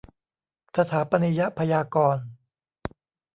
สถาปนียพยากรณ์